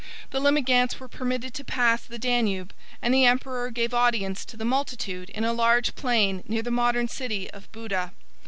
The Limigantes were permitted to pass the Danube; and the emperor gave audience to the multitude in a large plain near the modern city of Buda.